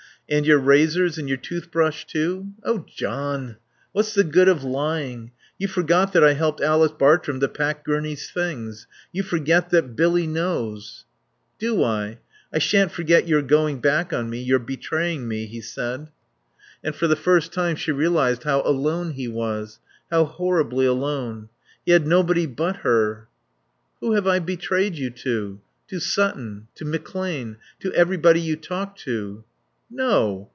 "And your razors and your toothbrush, too. Oh, John, what's the good of lying? You forgot that I helped Alice Bartrum to pack Gurney's things. You forget that Billy knows." "Do I? I shan't forget your going back on me; your betraying me," he said. And for the first time she realised how alone he was; how horribly alone. He had nobody but her. "Who have I betrayed you to?" "To Sutton. To McClane. To everybody you talked to." "No.